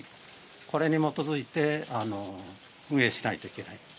これに基づいて、運営しないといけない。